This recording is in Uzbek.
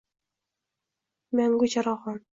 Mangu charog’on